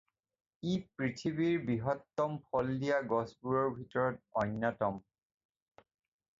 ই পৃথিৱীৰ বৃহত্তম ফল দিয়া গছবোৰৰ ভিতৰত অন্যতম।